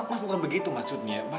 mas bukan begitu maksudnya